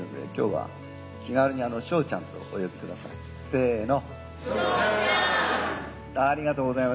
せの。